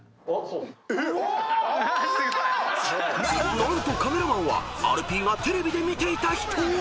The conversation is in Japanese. ［何とカメラマンはアルピーがテレビで見ていた人！］